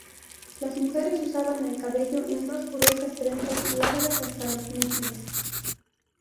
Las mujeres usaban el cabello en dos gruesas trenzas, largas hasta los muslos.